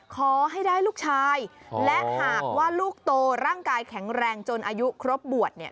ขอให้ได้ลูกชายและหากว่าลูกโตร่างกายแข็งแรงจนอายุครบบวชเนี่ย